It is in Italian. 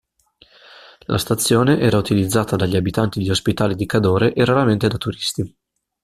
La stazione era utilizzata dagli abitanti di Ospitale di Cadore e raramente da turisti.